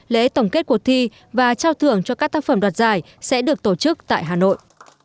lễ tổng kết cuộc thi và trao thưởng cho các tác phẩm đoạt giải sẽ được tổ chức tại hà nội